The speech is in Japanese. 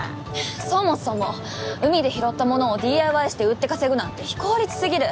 そもそも海で拾ったものをＤＩＹして売って稼ぐなんて非効率すぎる。